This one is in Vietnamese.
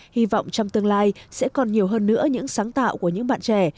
hy vọng trong tương lai sẽ còn nhiều hơn nữa những sáng tạo của những bạn trẻ